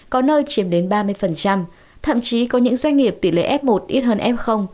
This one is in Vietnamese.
có nơi chiếm đến ba mươi thậm chí có những doanh nghiệp tỷ lệ f một ít hơn f